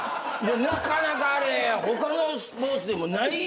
なかなかあれ他のスポーツでもないじゃない。